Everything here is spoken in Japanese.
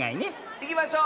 いきましょう！